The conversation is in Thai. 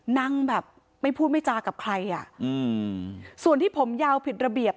นั่งแบบไม่พูดไม่จากับใครอ่ะอืมส่วนที่ผมยาวผิดระเบียบ